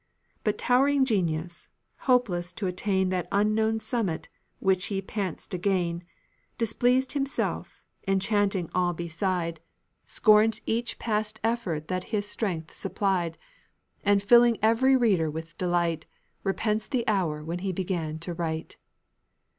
But towering Genius, hopeless to attain That unknown summit which he pants to gain, Displeased himself, enchanting all beside, Scorns each past effort that his strength supplied, And filling every reader with delight, Repents the hour when he began to write.